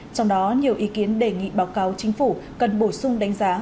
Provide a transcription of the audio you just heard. trong đó nhiều ý kiến đề nghị báo cáo chính phủ cần bổ sung đánh giá